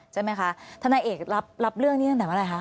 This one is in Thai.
ใช่ไหมคะธนายเอกรับเรื่องนี้ตั้งแต่เมื่อไหรคะ